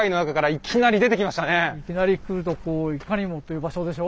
いきなり来るとこういかにもという場所でしょ？